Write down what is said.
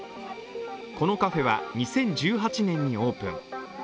このカフェは２０１８年にオープン。